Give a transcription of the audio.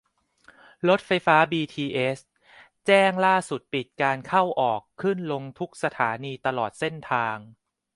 รถไฟฟ้าบีทีเอส แจ้งล่าสุดปิดการเข้า-ออก ขึ้นลงทุกสถานีตลอดเส้นทาง